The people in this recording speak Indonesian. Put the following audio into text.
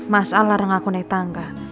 masalah larang aku naik tangga